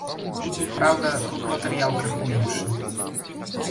Праўда, тут матэрыял крыху іншы.